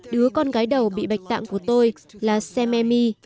đứa con gái đầu bị bạch tạng của tôi là sam emi